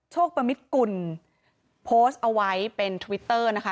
ประมิตกุลโพสต์เอาไว้เป็นทวิตเตอร์นะคะ